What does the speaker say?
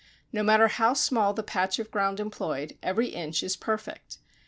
No matter how small the patch of ground employed, every inch is perfect.